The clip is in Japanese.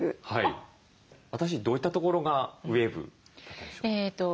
私どういったところがウエーブだったでしょう？